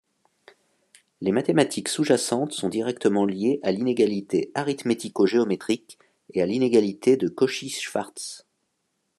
Les mathématiques sous-jacentes sont directement liées à l'inégalité arithmético-géométrique et à l'inégalité de Cauchy-Schwarz.